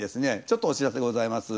ちょっとお知らせございます。